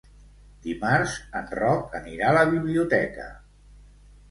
Dimarts en Roc anirà a la biblioteca.